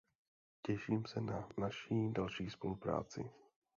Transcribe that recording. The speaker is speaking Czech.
Těším se na naší další spolupráci.